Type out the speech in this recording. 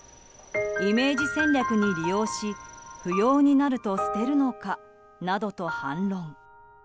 イメージ戦略に利用し不要になると捨てるのかなどと反論。